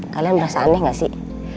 kalian merasa aneh gak sih